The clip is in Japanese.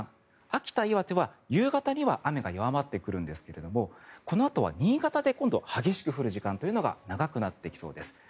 秋田、岩手は夕方には雨が弱まってくるんですがこのあとは新潟で今度は激しく降る時間が長くなってきそうです。